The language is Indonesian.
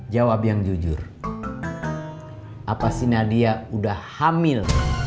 jawab yang jujur apa sih nadia udah hamil